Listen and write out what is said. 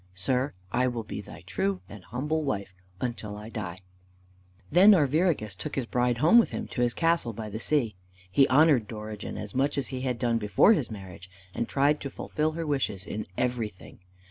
Sir, I will be thy true and humble wife until I die!" Then Arviragus took his bride home with him to his castle by the sea. He honored Dorigen as much as he had done before his marriage, and tried to fulfil her wishes in everything.